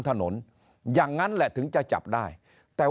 นายกรัฐมนตรีพูดเรื่องการปราบเด็กแว่น